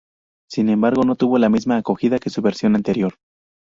Sin embargo, no tuvo la misma acogida que su versión anterior.